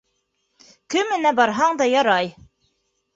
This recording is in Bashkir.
Кеменә барһаң да ярай.